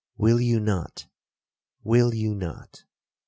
Will you not?—will you not?